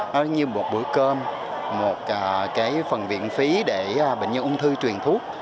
nó như một bữa cơm một cái phần viện phí để bệnh nhân ung thư truyền thuốc